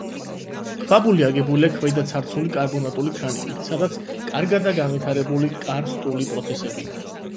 ქვაბული აგებულია ქვედაცარცული კარბონატული ქანებით, სადაც კარგადაა განვითარებული კარსტული პროცესები.